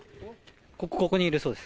ここにいるそうです。